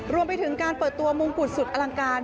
รวมไปถึงการเปิดตัวมงกุฎสุดอลังการ